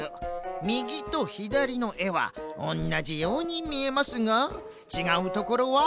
みぎとひだりのえはおんなじようにみえますがちがうところは３つ。